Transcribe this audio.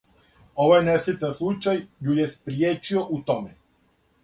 Овај несретан случај ју је спријечио у томе.